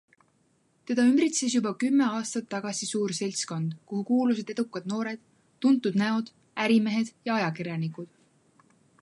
Teda ümbritses juba kümme aastat tagasi suur seltskond, kuhu kuulusid edukad noored, tuntud näod, ärimehed ja ajakirjanikud.